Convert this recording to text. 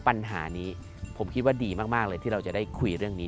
ปัญหานี้ผมคิดว่าดีมากเลยที่เราจะได้คุยเรื่องนี้